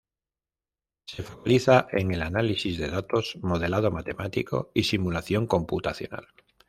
Se focaliza en el análisis de datos, modelado matemático y simulación computacional.